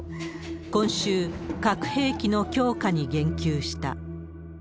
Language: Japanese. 今週、核兵器の強化に言及した。